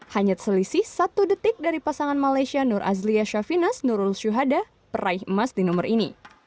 hanya selisih satu detik dari pasangan malaysia nur azlia shafinas nurul syuhada peraih emas di nomor ini